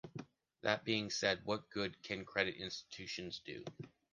That being said, what good can credit institutions do?